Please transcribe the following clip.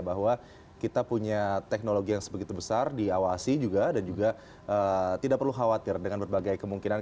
bahwa kita punya teknologi yang sebegitu besar diawasi juga dan juga tidak perlu khawatir dengan berbagai kemungkinan